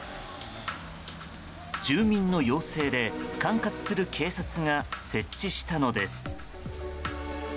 住民の要請で管轄する警察が設置したのです。